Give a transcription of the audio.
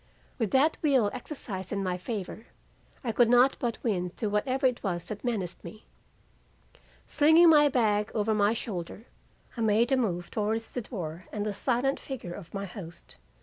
With that will exercised in my favor, I could not but win through whatever it was that menaced me. Slinging my bag over my shoulder, I made a move towards the door and the silent figure of my host.